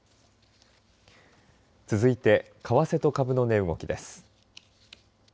続いて為替と株の値動きです。